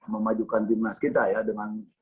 memajukan timnas kita ya dengan